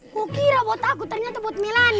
kukira buat aku ternyata buat melani